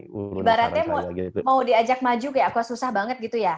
ibaratnya mau diajak maju kayak aku susah banget gitu ya